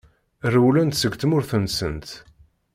Rewlent seg tmurt-nsent.